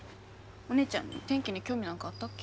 お姉ちゃん天気に興味なんかあったっけ？